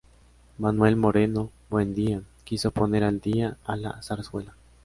Manuel Moreno-Buendía quiso "poner al día" a la zarzuela.